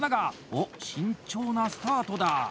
おっ、慎重なスタートだ。